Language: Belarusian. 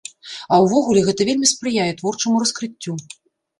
А ўвогуле, гэта вельмі спрыяе творчаму раскрыццю.